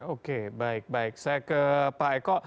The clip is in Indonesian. oke baik baik saya ke pak eko